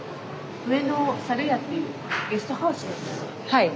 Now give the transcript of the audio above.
はい。